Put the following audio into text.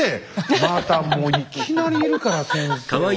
またもういきなりいるから先生はもう先生。